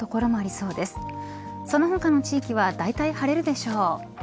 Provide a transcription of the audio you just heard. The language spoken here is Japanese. その他の地域はだいたい晴れるでしょう。